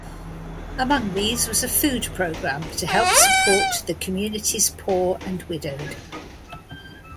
Among these was a food program to help support the community's poor and widowed.